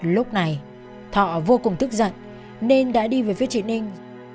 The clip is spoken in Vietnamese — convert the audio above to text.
lúc này thỏa vô cùng thức giận nên đã đi về phía trị ninh